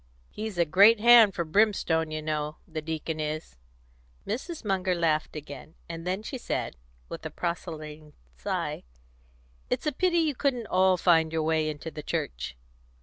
He's a great hand for brimstone, you know, the deacon is." Mrs. Munger laughed again, and then she said, with a proselyting sigh, "It's a pity you couldn't all find your way into the Church."